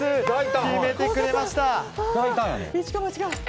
決めてくれました。